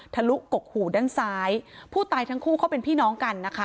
ลุกกหูด้านซ้ายผู้ตายทั้งคู่เขาเป็นพี่น้องกันนะคะ